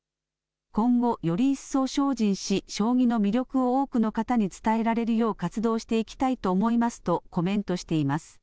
今後より一層精進し将棋の魅力を多くの方に伝えられるよう活動していきたいと思いますとコメントしています。